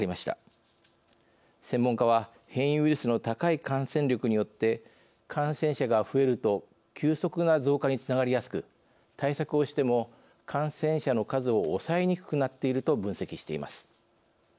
専門家は変異ウイルスの高い感染力によって「感染者が増えると急速な増加につながりやすく対策をしても感染者の数を抑えにくくなっている」と分析しています。